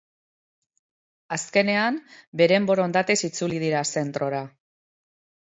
Azkenean, beren borondatez itzuli dira zentrora.